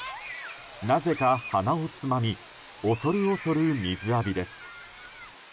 なぜか鼻をつまみ恐る恐る水浴びです。